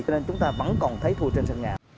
cho nên chúng ta vẫn còn thấy thu trên sân nhà